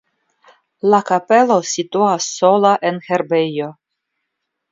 La kapelo situas sola en herbejo.